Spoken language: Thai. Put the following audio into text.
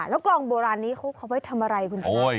แล้วกลองโบราณนี้เขาไปทำอะไรคุณจังงาน